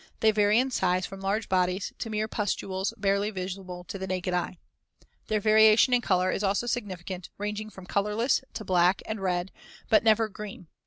They vary in size from large bodies to mere pustules barely visible to the naked eye. Their variation in color is also significant, ranging from colorless to black and red but never green.